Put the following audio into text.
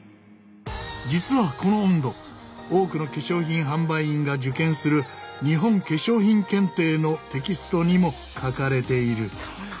実はこの温度多くの化粧品販売員が受験する日本化粧品検定のテキストにも書かれている。